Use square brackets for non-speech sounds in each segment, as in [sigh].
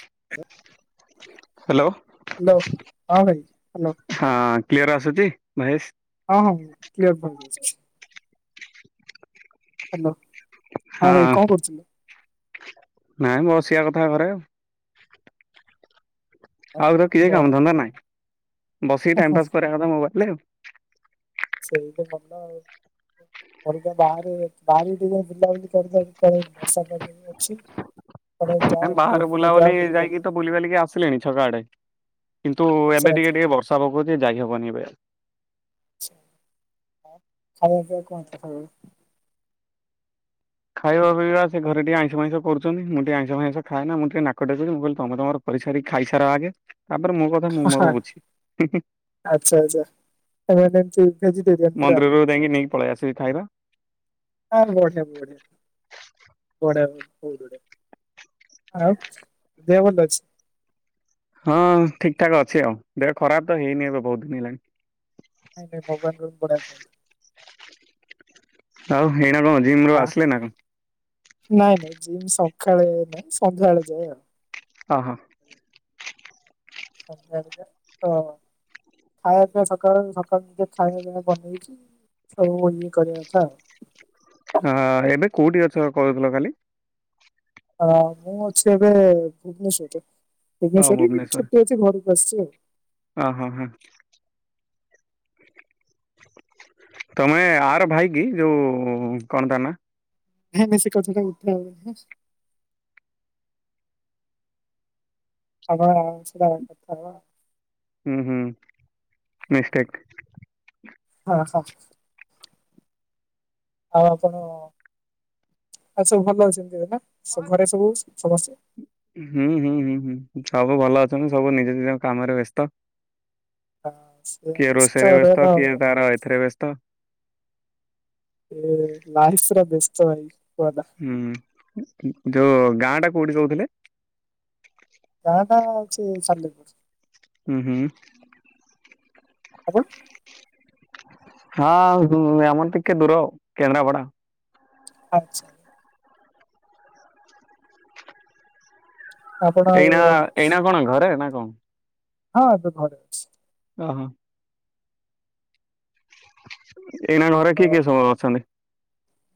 [unintelligible] Hello hello ହଁ ଭାଇ hello ହଁ କ୍ଲିଅର ଆସୁଛି। ମହେଶ ହଁ ହଁ କ୍ଲିଅର ଶୁଭୁଛି। ହଁ ଭାଇ ହଁ କଣ କରୁଛ। ନାଇଁ ମଁ ଆସିବା କଥା କରେ ଆଉ। ଆଉ ତର କି କାମ ହଁ ଧନ୍ଦା ନାଇଁ। ବସିକି ଟାଇମ୍ ପାସ୍ କରିବାକୁ କଥା ମୋବାଇଲରେ ଆଉ। ସେଇ ତ କଥା ଆଉ। ଅିକା ବାହାରେ ବାହାର ଟିକେ ଯ ବୁିଲ ବୁଲି କରିଦ କଣ ବର୍ଷା ପାାଗ ଅଛି। [unintelligible] ଯାଅ ଟୁର୍ ବାହାରେ ଫୁର୍ ଯାଅ ବୁଲାବୁଲି ଯାଇକି ବୁଲିବାଲିବ ତ ବୁଲି ବଲିକି ଆସିଲେଣି ଛକା ଆଡେ। କିନ୍ତୁ ଆଚ୍ଛା ଏବେ ଟିକେ ଆଚ୍ଛା ଟିକେ ବର୍ଷା ପକଉଛି ଯାଇହବନି ଏବେ ଉ। ଖାଇ କଣ କଣ ସଖାଳୁ। ଖାଇବା ପିଇବା ସେ ଘରେ ଟିକେ ଆଇଷ ଫଇଁସ କରୁଛନ୍ତିଁିକେ ଆଇଷ ଫଇଁସ ଖଏ ନା ମୁଁ ଟିକେ ନାକଟାଉଛି ମୁଁ କିଲି ତମେ ତମର କ। ସାରି ଖାଇସାର ଆଗେ। ତାପରେ ମୋ କଥା ମୁଁ ମୋର ହ ବୁଝିବି। ଆଚ୍ଛା ଆଛା ଏମାନେ ଏମିତି। ଭେଜିଟେରିୟ ପା ମନ୍ଦିରରୁ ଯାଇକି ନେଇକି ପଳେଇ ଆସିବି ଖାଇବା। ବଢିଆ ବଢିଆ। ବଢ଼ିଆ ବହୁତ୍ ବଢ଼ିଆ। ଆଉ ଦେହ ଭଲ ଅଛି। ହଁ ଠିକ୍ ଠାକ୍ ଅଛି ଆଉ ଦେହ ଖରାପ ତ ହେଇନି ଏବେ ବହୁତ ଦିନ ହେଲାଣି। ନାଇଁ ନାଇଁ ମୋବାଇଲ ରୁମ୍ ପେଇ। ଆଉ ହେଇନା କଣ ଜିମ୍ ରୁ ହଁ ଆସିଲେ ନା କଣ। ନାଇଁ ନାଇଁ ଯିମି ସକାଳେ ନାଇଁ ସନ୍ଧ୍ୟାବେଳେ ଯାଏ ଆଉ। ହ ହଁ। ହଁ। [unintelligible] ଖାଇବା ପିଇବା ସକାଳ ସକାଳୁ ନିଜେ ଖାଇବା ପିବା ବନେଇଛି। ସବୁ ଇଏ କରବା କଥା। ହ ଏବେ କୋଉଠି ଅଛ କହୁଥିଲ କାଲି। ହଁ ମୁଁ ଅଛି ଏବେ ଭୁବନେଶ୍ଵରରେ ହଁ ଭୁବନେଶ୍ରରେ ଛୁଟି ଅଛି ଘରକୁ। ଆସିଛି ଆଉ। ହ ହଁ ହଁ ତମେ ଆର ଭାଇ କି ଯୋଉ କଣ ତା ନା। ହ ମି ସେ କଥଟା ଉଠା ଅ ନି ଆମ ସେଧଥା। ହୁଁ ହୁଁ ମିଷ୍ଟେକ୍। ହଁ ହଁ। ଆଉ ଆପଣ ଆ ସବୁ ଭଲ ଅଛନ୍ତି ହେ ନା। ସ- ଘରେ ସବୁ ସମସ୍ତେ? ହୁଁ ହୁଁ ହୁଁ ହୁଁ। ସବୁ ଭଲ ଅଛନ୍ତି ସବୁ ନିଜ ନିଜ କାମରେ ବ୍ୟସ୍ତ। ହଁ, ସେ କିଏ ରୋଷେଇରେ ବ୍ୟସ୍ତ ରହିବା କିଏ ଭଲ। ତାର ଏଥିରେ ବ୍ୟସ୍ତ। ଏ ଲାଇଫ୍ ର ବ୍ୟସ୍ତ ଭାଇ। କୁହନା। ହୁଁ ଯୋଉ ଗାଁ ଟା କୋଉଠି କହୁଥିଲେ। ସାଲେପୁର୍ ହୁଁ ହୁଁ। ଆପଣ। ହଁ, ହୁଁ ଆମର ଟିକେ ଦୂର ଆଉ କେନ୍ଦ୍ରାପଡା। ଆଚ୍ଛା। ଆପଣ ଆଉ ଏଇନା, ଏଇନା କଣ ଘରେ ନା କଣ? ହଁ, ଏବେ ଘରେ ଅଛି। ଅ ହଁ। ଏଇନା ଘରେ କିଏ ଆଉ କିଏ ସବୁ ଅଛନ୍ତି?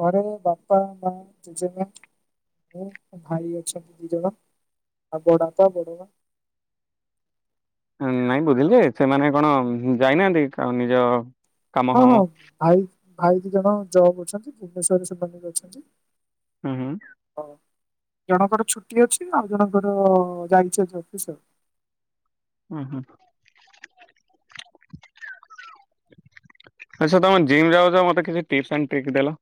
ଘରେ ବାପା, ମାଁ, ଜେଜେ ମାଁ, ମୁଁ, ମୋ ଭାଇ ଅଛନ୍ତି ଦି ଜଣ, ଆଉ ବଡବାପା, ବଡ ମା। [inaudible] ନାଇଁ ବୁଝିଲି ଯେ, ସେମାନେ କଣ ଯାଇନାହାଁନ୍ତି କ ନିଜ କାମ ହଁ, ଫାମ ହଁ, ଭାଇ ଭାଇ ଦି ଜଣ ଜବ ଅଛନ୍ତି। ଭୁବନେଶ୍ୱରରେ ବି ସେମାନେ ଅଛନ୍ତି। ହୁଁ, ହୁଁ। ହଁ ଜଣଙ୍କର ଛୁଟି ଅଛି। ଆଉ ଜଣଙ୍କର-ଅ ଯାଇଛନ୍ତି ଅଫିସ ଆଉ। ଉଁ, ହୁଁ। ଆଛା, ତମେ ଜିମ୍ ଯାଉଛ, ମତେ କିଛି ଟିପ୍ସ ଏଣ୍ଡ ଟ୍ରିକ୍ ଦେଲ।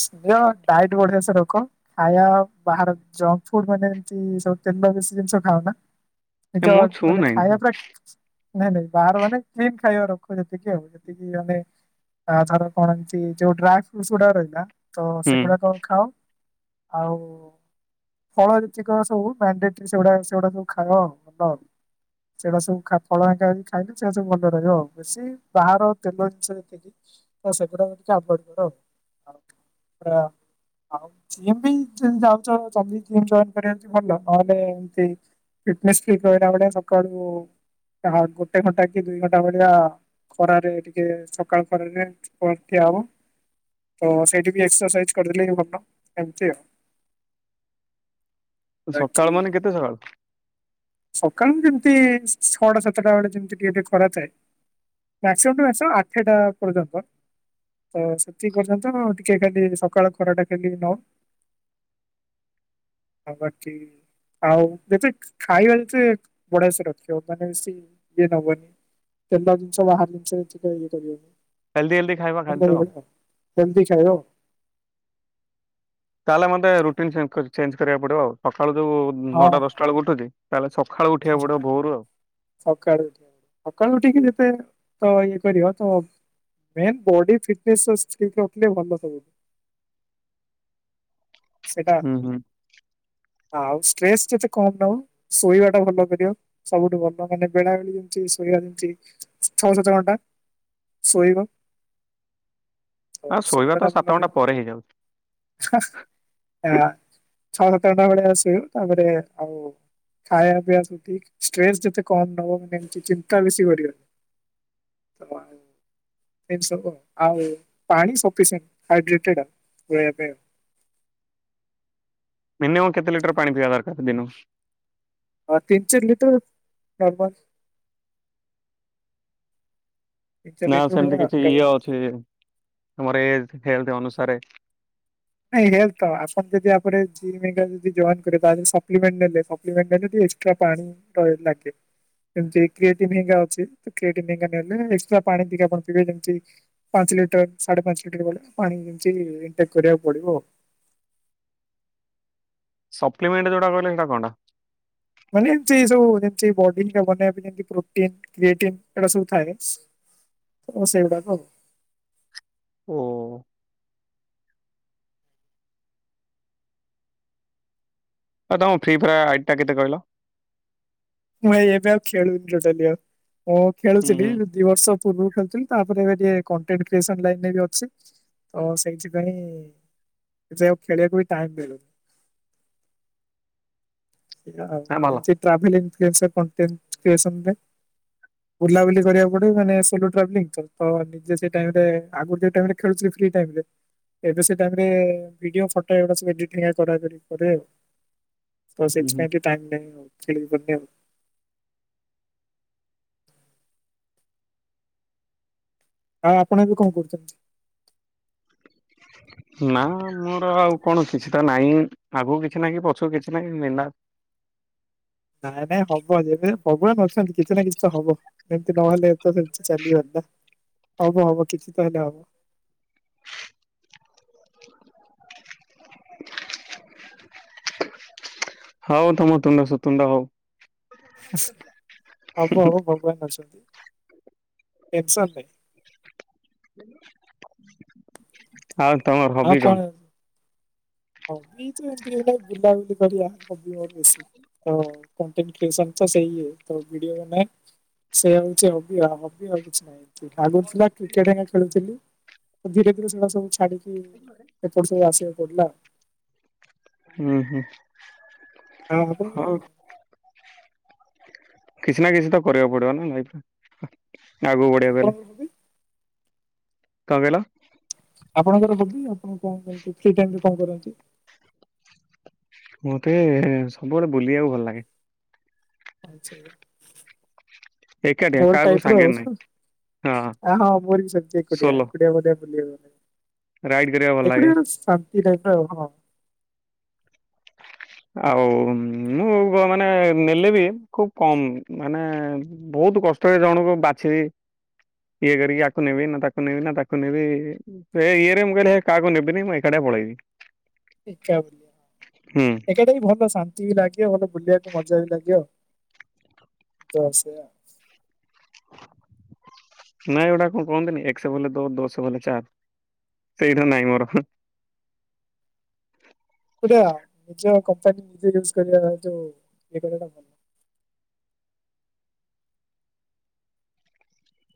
ସ୍ ଡାଏଟ୍ ବଢିଆ ସେ ରଖ। ଖାଇବା ବାହାର ଜଙ୍କ୍ ଫୁଡ୍ ମାନେ ଏମତି ସବୁ ତେଲ ବା କିସି ଜିନିଷ ଖାଅ ନା? ଏ ଯ, ମୁଁ ଛୁଁ ମାନେ ନାହିଁ ଖାଇବା ତାକୁ ପୁରା, ନାଇଁ ନାଇଁ ବାହାର ମାନେ [unintelligible] ଖାଇବା ରଖ ଯେତିକି ଆଉ, ଯେତିକି ମାନେ ଧର କଣ ଏମିତି, ମାନେ ଡ୍ରାଏ ଫ୍ରୁଟସ୍ ଗୁଡ଼ା ରହିଲା। ତ ହୁଁ ସେଗୁଡାକ ଖାଅ। ଆଉ ଫଳ ଯେତିକ ସବୁ ମାଣ୍ଡାଟ୍ରି, ସେଗୁଡା ସେଗୁଡାକ ସବୁ ଖାଅ। ଭଲ। ସେଟା ସବୁ ଖା ଫଳ ଆଣିକି ଖାଇ ଖାଇଲେ। ସେଟା ସବୁ ଭଲ ରହିବ ଆଉ। ବେଶୀ ବାହାର ତେଲ ଜିନିଷ ଯେତିକି ସେଗୁରାକ ଟିକେ ଆଭୋଏଡ଼ କର ଆଉ। ପୁରା ଆଉ, ଜିମ୍ ବି ଯି-ଯାଉଛ, ଯଦି ଜିମ୍ ଯଏନ କରିବ ଯଦି ଭଲ। ନହେଲେ ଏମତି ଫିଟନେସ୍ ଫିଟ୍ ରହିଲାଭଳିଆ ସକାଳୁ-ଉ ହା, ଗୋଟେ ଘଣ୍ଟା କି ଦୁଇ ଘଣ୍ଟା ଭଳିଆ ଖରାରେ ଟିକେ, ସକାଳ ଖରାରେ ଠିଆ ହବ। [inaudible] ତ, ସେଇଠି ବି ଏକ୍ସରସାଇଜ କରିଦେଲି ଭଲ। ଏମତି ଆଉ। ବାକି ସକାଳ ମାନେ, କେତେ ସକାଳୁ? ସକାଳୁ ଯେମିତି ଛଅଟା ସାତଟା ଆଳେ, ଯେମିତି ଟିଏ ଟିଏ ଖରା ଥାଏ। ମାକ୍ସିମମ୍ ଟୁ ମାକ୍ସିମମ୍ ଆଠ ଟା ପର୍ଯ୍ୟନ୍ତ ତ ସେତିକ ପର୍ଯ୍ୟନ୍ତ-ଅ, ଟିକେ ଖାଲି ସକାଳ ଖରା ଟା ଖାଲି ନଉ। ଆଉ, ବାକି ଆଉ ଯେତିକ୍ ଖାଇବା ଯେତିକ୍ ବଢିଆ ସେ ରଖିବ। କାଇଁ, ନା ବେଶୀ ଇଏ ନବନି। ତେଲ ଜିନିଷ, ବାହାର ଜିନିଷ ଯେତିକି ଇଏ କରିବ। ହେଲ୍ଦି ହେଲ୍ଦି ଖାଇବା ଖାଦ୍ୟ ଆଉ। [unintelligible] ହେଲ୍ଦି ଖାଇବଆଉ। ତାହେଲେ, ମତେ ରୁଟିନ୍ ଚେଞ୍ଜ କରି ଚେଞ୍ଜ କରିବାକୁ ପଡିବ ଆଉ। ସକାଳୁ ଯୋଉ ହଁ ନଅଟା ଦଶଟା ଳକୁ ଉଠୁଛି। ତାହେଲେ ସକ ଖାଳୁ ହଁ ଉଠିବାକୁ ହଁ ପଡିବ ଭୋରରୁ ଆଉ। ସକାଳୁ! ସକାଳୁ ଉଠିକି ଯେତେ ତ ଇଏ କରିବ, ତ ମେନ୍ ବଡି ଫିଟନେସ୍ ସସ୍ ଠିକ୍ ରଖିଲେ ଭଲ ସବୁ। ହୁଁ, ହୁଁ। ଆଉ ଷ୍ଟ୍ରେସ୍ ଯେତେ କମ ନବ। ଶୋଇବା ଟା ଭଲ କରିବ। ସବୁଠୁ ଭଲ ମାନେ ବେଳା ବେଳି ଯେମତି ଶୋଇବା ଯେମିତି, ଛଅ ସାତ ଘଣ୍ଟା ଶୋଇବ। ତ ଆଉ ଶୋଇବା ତ ଶୋଇବାଟା ଭଲ ସାତ ଘଣ୍ଟା ରହିଲେ, ପରେ ହେଇଯାଉଛି ହଁ ଆଁ। ଛଅ, ସାତ ଘଣ୍ଟା ଭଳିଆ ଶୋଉ। ତା'ପରେ ଆଉ ଖାଇବା ପିଇବା ସେତିକ, ଷ୍ଟ୍ରେସ୍ ଯେତେ କମ୍ ନବ, ମାନେ ଏମିତି ଚିନ୍ତା ବେଶୀ କରିବନି। ତମାରେ ଏମ୍ ସବୁ ଆଉ। ଆଉ, ପାଣି ସଫିସେଣ୍ଟ ହାଇଡ୍ରେଟେଡ଼ ଆଉ। କୁ ଏବେ ମିନିମମ କେତେ ଲିଟର ପାଣି ପିଇବା ଦରକାର ଦିନକୁ? ଅ ତିନି ଚାରି ଲିଟର ନର୍ମାଲ। ତିନି ଚାରି ନା ଲିଟର ଭଳିଆ ସେମିତି କିଛି ରହିବ। ଇଏ ଅଛି ଆମର ଏଜ୍ ହେଲଥ ଅନୁସାରେ। ନାଇଁ ଏୟାତ ଆପଣ ଯଦି ୟାପରେ ଜିମ ହେରିକା ଯଦି ଜଏନ କରିବେ ତାହେଲେ ସପ୍ଲିମେଣ୍ଟ ନେଲେ ସପ୍ଲିମେଣ୍ଟା ଯଦି ଏଷ୍ଟ୍ରା ପାଣି ତ ଲାଗେ। ସେମିତି କ୍ରିଏଟିନ ଅଛି କ୍ରିଏଟିନ ହେରିକା ନେଲେ ଏକ୍ସଟ୍ରା ପାଣି ଟିକେ ପିଇବେ ଯେମିତି ପାନ ପାଞ୍ଚ ଲିଟର ସାଢ଼େ ପାଞ୍ଚ ଲିଟର [unintelligible] ପାଣି ଯେମିତି ମେଣ୍ଟେନ୍ କରିବାକୁ ପଢ଼ିବ। ସପ୍ଲିମେଣ୍ଟ ଯୋଉଟା କହିଲେ ହେଟା କଣ ଟା? ମାନେ ଏମିତି ସବୁ ଯେମିତି ବଡି ବନେଇ ପାଇଁ ଯେମତି ପ୍ରୋଟିନ୍ କ୍ରିୟେଟିନ୍ ଏଡା ସବୁ ଥାଏ। ତ ସେଇଗୁଡ଼ାକ ଆଉ। ଓଃ! ଆଉ ତମ ଫ୍ରି ଫାୟାର ଆଇଡି ଟା କେତେ କହିଲ? ମୁଁ ଏଇ ଏବେ ଆଉ ଖେଳୁନି ଟୋଟାଲି ଆଉ ମୁଁ ହୁଁ ଖେଳୁଥିଲି ହୁଁ ହେଲେ ଦି ବର୍ଷ ପୂର୍ବରୁ। ଖେଳୁଥିଲି ତାପରେ ଏବେ ଟିକେ କଣ୍ଟେଣ୍ଟ କ୍ରିଏସନ୍ ଲାଇନ୍ ରେ ବି ଅଛି ତ ସେଇଥିପାଇଁ ଯେ ଆଉ ଖେଳିବାକୁ ବି ଟାଇମ୍ ମିଳୁନି। ସେୟା ହଁ ଭଲ ଆଉ ସେ ଟ୍ରଭେଲିଂ କ୍ରିଏସନ କଣ୍ଟେନ କ୍ରିଏସନରେ ବୁଲାବୁଲି କରିବାକୁ ପଡ଼ିବ ମାନେ ସେ ଯୋଉ ଟ୍ରଭେଲି [unintelligible] ନିଜେ ତ ସେଇ ଟାଇମିଂ ରେ ଆଗରୁ ଟିକେ କେମିତି ଖେଳୁଚି ଫ୍ରି ଟାଇମ୍ ରେ ଏବେ ସେ ଟାଇମ୍ ରେ ଭିଡ଼ିଓ ଫୋଟ ଏ ସବୁ ଏଡିଟିଙ୍ଗଏ କରାକୁରି କରୁ ଆଉ। ତ ହୁଁ ହୁଁ। ସେଥିପାଇଁ ଟିକେ ଟାଇମ୍ ନାହିଁ ଆଉ ଖେଳିବାକୁ ପାଇଁ ଆଉ। ହଁ ଆପଣ ଏବେ କଣ କରୁଚନ୍ତି? ନା ମୋର ଆଉ କୌଣସି କିଛିଟା ନାହିଁ ଆଗକୁ କିଛି ନାହିଁ କି ପଛକୁ କିଛି ନାହିଁ ମିନା [inaudible] ନାଇଁ ନାଇଁ ହବ ଯେବେ ଭଗବାନ୍ ଅଛନ୍ତି କିଛି ନା କିଛି ତ ହବ ସେମିତି ନହେଲେ ଏ ତ ସେମିତି କିଛି ଚାଲିବନି ନା? ହବ ହବ କିଛି ତ ହେଲେ ହବ। ହଉ ତୁମ ତୁଣ୍ଡ ସୁତୁଣ୍ଡ ହଉ। ହବ ହବ ଭଗବାନ୍ ଅଛନ୍ତି। ଟେନସନ୍ ନାହିଁ। [unintelligible] ଆଉ ତମର ହବି କଣ? ହଁ ବିଚ ଏମିତି କେବେ ବୁଲାବୁଲି କରିବା ହବି ମୋର ବେଶୀ। ହଁ କଣ୍ଟେନ କ୍ରିଏସନ ତ ସେଇ ଇଏ ତ ଭିଡିଓ ବନା ସେୟା ହଉଚି ହବି ହବି ଆଉ କିଛି ନାହିଁ। ଆଗରୁ ଥିଲା କ୍ରିକେଟ୍ ଏଇନା ଖେଳୁଥୁଲୁ ଧୀରେ ଧୀରେ ସେଡ଼ା ସବୁ ଛାଡ଼ିଲି। କି ଏପଟେ ସବୁ ଆସିବାକୁ ପଡିଲା। ହୁଁ ହୁଁ। ହଉ [unintelligible] କିଛି ନା କିଛି ତ କରିବାକୁ ପଡିବ ନା ଲାଇଫରେ ଆଗକୁ ବଢିବାକୁ ହେଲେ। ଆପଣଙ୍କର ହବି କଣ କହିଲ? ଆପଣଙ୍କର ହବି ଆପଣ କଣ କରନ୍ତି କିଏ କେମିତି କଣ କରନ୍ତି? ମତେ ସବୁବେଳେ ବୁଲିବାକୁ ଭଲ ଲାଗେ। [unintelligible] ଏକାଠିଆ ବୋର୍ କାହାକୁ ଟାଇପର ସାଙ୍ଗରେ ନାହିଁ ଆଉ ହଁ ଆଁ ହଁ ମୋର ବି ସେମିତି ଏକୁଟିଆ ସୋଲୋ ଏକୁଟିଆ ମତେ ବୁଲିଆକୁ [unintelligible] ରାଇଡ କରିବାକୁ ଭଲ ଲାଗେ। ଇଏ ଟାଇପିର ହଁ। ଆଉ ମୁଁ ମାନେ ନେଲେ ବି ଖୁବ୍ କମ୍ ମାନେ ବୋହୁତ୍ ବହୁତ କଷ୍ଟରେ ଜଣଙ୍କୁ ବାଛିବି। ଇଏ କରିକି ୟାକୁ ନେବି ନା ତାକୁ ନେବି ନା ତାକୁ ନେବି ସେ ଇଏରେ ମୁଁ କହିଲି ହେ କାହାକୁ ନେବିନି ମୁଁ ଏକାଟିଆ ପଳେଇବି। [unintelligible] ହୁଁ ସେଟା ବି ଭଲ ଶାନ୍ତି ବି ଲାଗିବ ଭଲ ବୁଲିବାକୁ ମଜା ବି ଲାଗିବ ଆଉ। ତ ସେଇଆ। ନାଇଁ ଏଗୁଡା କଣ କୁହନ୍ତିନି ଏକ ଶହ ବଲେ ଦୋ ଦୋଶହ ବଲେ ଚାର। ସେଇଟା ନାଇଁ ମୋର। ଏକୁଟିଆ ନିଜ କମ୍ପାନୀ ନିଜେ ରିଲ୍ସ କରିବା ଯୋଉ ଏଇଥାଟା।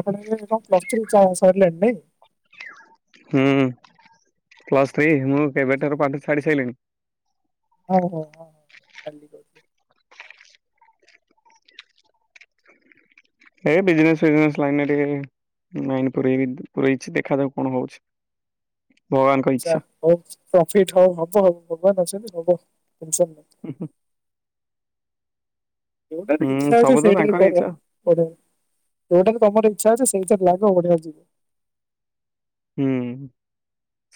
ଆପଣ ବି ଏବେ ପ୍ଲସ୍ ଥ୍ରୀ ସରିଲାଣି ନାଇଁ। ହୁଁ ପ୍ଲସ୍ ଥ୍ରୀ ମୁଁ କେବେଠାରୁ ପାଠ ଛାଡି ସାରିଲିଣି। ହଉ ହଉ ହଉ କାଲି କହୁଛି। ଏଇ ବିଜନେସ୍ ଫିଜନେସ୍ ଲାଇନରେ ଟିକେ ନାଇନ ପୁରେବି ପୁରେଇଛି ଦେଖାଯାଉ କଣ ହଉଛି? ଭଗବାନଙ୍କ ଆଚ୍ଛା ଇଚ୍ଛା। ହଉ ପ୍ରଫିଟ ହଉ ହବ ଭଗବାନ ଅଛନ୍ତି ହବ ଟେନ୍ସନ ନିଅନି। ଯୋଉଟାରେ ହୁଁ ଇଚ୍ଛା ଅଛି ସବୁ ତ ସେଇଟାରେ ତାଙ୍କର କରୋ ଇଚ୍ଛା କର ଯୋଉଟାରେ ତମର ଇଚ୍ଛା ଅଛି ନିଜ ବ୍ଲାଗ ହୋଉ ବଢିଆ ହେଇଛି। ହୁଁ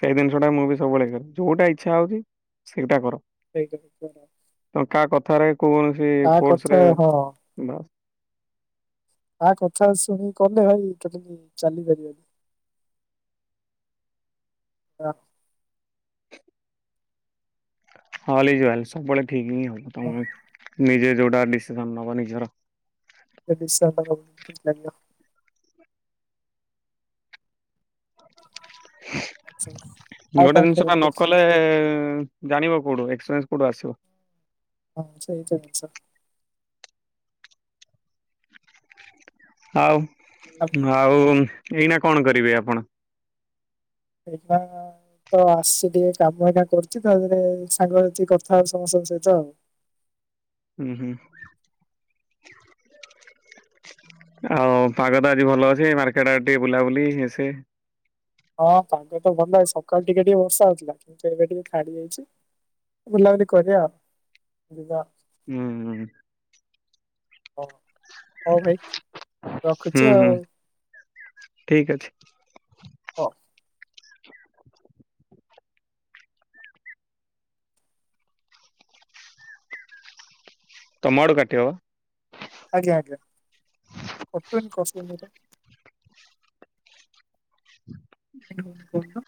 ସେଇ ଜିନିଷ ଟା ମୁଁ ବି ସବୁବେଳେ କରେ ଯୋଉଟା ଇଚ୍ଛା ହଉଛି ସେଇଟା କର। ସେଇ କଥା ପରା। ତମେ କାହା କଥାରେ କୌଣସି ଫୋର୍ସ ରେ ବାସ୍ କାହା କଥାରେ ଶୁଣି କଲେ ଭାଇ କେବେବି ଚାଲିପାରିବେନି। ତ ହଲି ଯିବାନି ସବୁବେଳେ ଠିକ ହିଁ ହବ ହଁ, ତମ ଘରେ। ନିଜେ ଯୋଉଟା ଡିସିସନ ନବ ନିଜର। ତ ଡିଶାଲ ଟା ହୋଉ କେମିତି ଲାଗିବ? ଆଉ ଗୋଟେ କଣ ଜିନିଷ ଖବର ପା ନ କୁହ କଲେ ଜାଣିବ କୋଉଠୁ ଏକ୍ସପ୍ରେନ୍ସ କୋଉଠୁ ଆସିବ? ହଁ ସେଇତ ଆଚ୍ଛା। ଆଉ ଆଉ ଏଇନା କଣ କରିବେ ଆପଣ? ଏଇନା ତ ଆସିଚି ଟିକେ କାମ ଏଇନା କରୁଛି ତା ପରେ ସାଙ୍ଗସାଥି କଥା ହେଉଛୁ ସମସ୍ତଙ୍କ ସହିତ ଆଉ। ହୁଁ ହୁଁ। ଆଉ ପାଗ ଟା ଆଜି ଭଲ ଅଛି ମାର୍କେଟ ଆଡେ ଟିକେ ବୁଲାବୁଲି ଇଏ ସିଏ ହଁ ପାଗ ତ ଭଲ ଏଇ ସକାଳୁ ଟିକେ ଟିକେ ବର୍ଷା ହେଉଥିଲା କିନ୍ତୁ ଏବେ ଟିକେ ଛାଡି ଯାଇଛି। ବୁଲାବୁଲି କରିବା ଯିବା। ଉଁ ହୁଁ। ହଉ ହଉ ଭାଇ ହୁଁ ରଖୁଛି ହୁଁ ଆଉ। ଠିକ ଅଛି। ହଉ। ତମ ଆଡୁ କାଟିବ ପା? ଆଜ୍ଞା ଆଜ୍ଞା କଟୁନି କଷ୍ଟ [inaudible] କୋହୁନ।